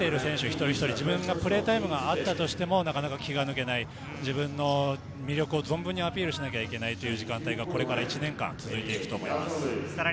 一人一人、自分のプレータイムがあったとしてもなかなか気が抜けない、自分の魅力を存分にアピールしなきゃいけない時間帯がこれから１年間続いていくと思います。